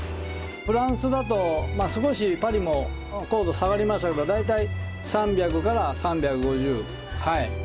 フランスだと少しパリも硬度下がりますけど大体３００３５０。